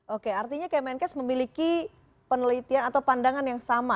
oke artinya kemenkes memiliki penelitian atau pandangan yang sama